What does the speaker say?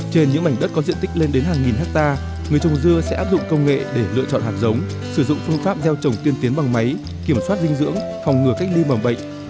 trên những mảnh đất có diện tích lên đến hàng nghìn hectare người trồng dưa sẽ áp dụng công nghệ để lựa chọn hạt giống sử dụng phương pháp gieo trồng tiên tiến bằng máy kiểm soát dinh dưỡng phòng ngừa cách ly mầm bệnh